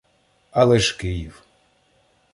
Але ж Київ.